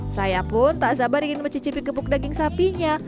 saya pun tak sabar ingin mencicipi gepuk daging sapinya